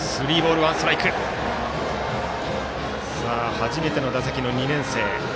初めての打席の２年生。